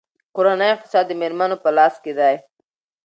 کورنۍ اقتصاد د میرمنو په لاس کې دی.